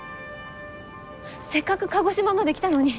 せっかく鹿児島まで来たのに。